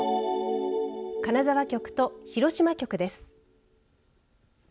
金沢局と広島局です。